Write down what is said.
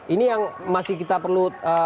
ini yang masih kita perlu